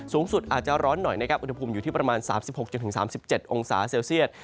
สูงสุดอาจจะร้อนหน่อยนะครับอุณหภูมิอยู่ที่ประมาณ๓๖๓๗องศาเซลเซียต